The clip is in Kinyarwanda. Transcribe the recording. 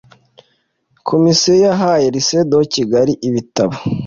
komisiyo yahaye lycee de kigali ibitabo .